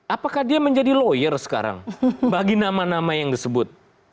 apakah dia menjadi lawyer sekarang bagi nama nama yang disebut